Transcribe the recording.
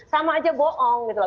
sama aja bohong gitu loh